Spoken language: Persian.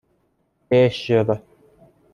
بِشر